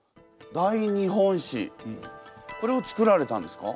「大日本史」これを作られたんですか？